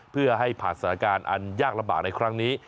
เพื่อให้ผ่านสถานการณ์อันยากลำบากในครั้งนี้